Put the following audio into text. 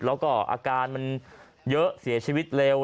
แล้วก็อาการมันเยอะเสียชีวิตเร็ว